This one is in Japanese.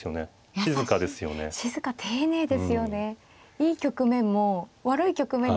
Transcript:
いい局面も悪い局面でも。